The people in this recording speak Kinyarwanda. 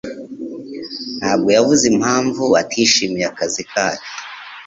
ntabwo yavuze impamvu atishimiye akazi kacu.